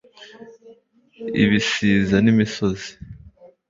ibisiza n'imisozi